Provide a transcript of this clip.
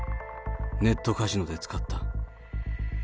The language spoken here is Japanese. ネットカジノで使った。